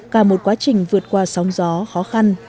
cả một quá trình vượt qua sóng gió khó khăn